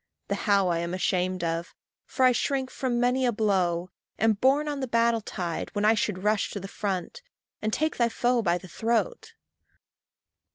The how I am ashamed of; for I shrink From many a blow am borne on the battle tide, When I should rush to the front, and take thy foe by the throat.